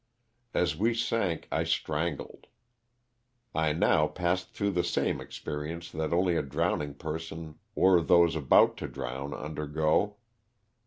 As we sank I strangled. I now passed through the same experience that only a drowning person or those about to drown undergo.